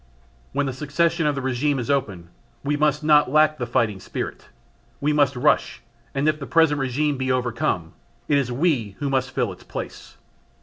When the succession of the regime is open, we must not lack the fighting spirit. We must rush and if the present regime be overcome, it is we who must fill its place.